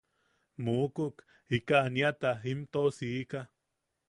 Muukuk, ika aniata im tosika.